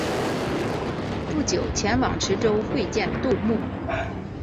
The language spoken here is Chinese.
不久前往池州会见杜牧。